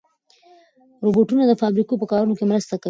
روبوټونه د فابریکو په کارونو کې مرسته کوي.